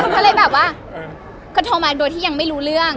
ก็เลยแบบว่าก็โทรมาโดยที่ยังไม่รู้เรื่อง